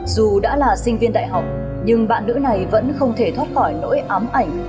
dù đã là sinh viên đại học nhưng bạn nữ này vẫn không thể thoát khỏi nỗi ám ảnh